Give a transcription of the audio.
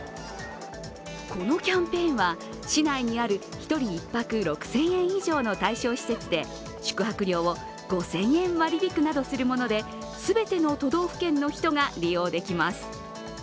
このキャンペーンは市内にある１人１泊６０００円以上の対象施設で宿泊料を５０００円割り引くなどするもので、全ての都道府県の人が利用できます。